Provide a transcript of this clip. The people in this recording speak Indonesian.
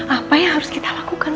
apa yang harus kita lakukan